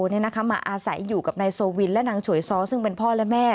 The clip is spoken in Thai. มาอาศัยอยู่กับนายโซวินและนางฉวยซ้อซึ่งเป็นพ่อและแม่